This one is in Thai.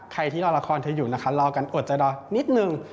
ใครที่รอละครเธออยู่นะคะรอกันอดใจรอนิดนึง